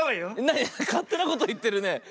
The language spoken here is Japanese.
なになにかってなこといってるね。